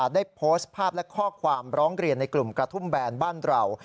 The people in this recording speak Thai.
ได้โพสต์ภาพและข้อความร้องเรียนในกลุ่มกระทุ่มแบนบ้านเรา